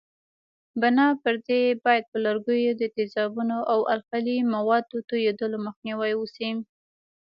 بنا پر دې باید پر لرګیو د تیزابونو او القلي موادو توېدلو مخنیوی وشي.